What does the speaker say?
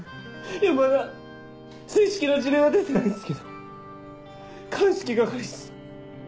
まだ正式な辞令は出てないんすけど鑑識係っす。